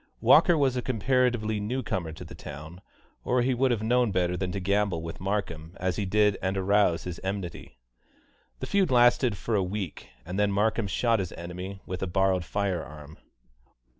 Walker was a comparatively new comer to the town, or he would have known better than to gamble with Markham as he did and arouse his enmity. The feud lasted for a week, and then Markham shot his enemy with a borrowed fire arm.